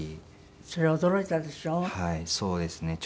それ驚いたでしょ？